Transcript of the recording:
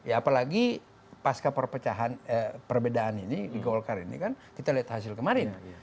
apalagi pasca perpecahan perbedaan ini di golkar ini kan kita lihat hasil kemarin